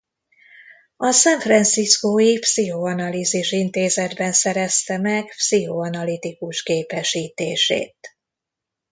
A San Franciscó-i Pszichoanalízis Intézetben szerezte meg pszichoanalitikus képesítését.